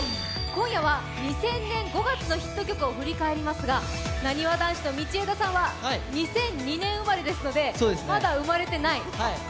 今夜は２０００年５月のヒット曲を振り返りますがなにわ男子の道枝さんは２００２年生まれですのでまだ生まれてない。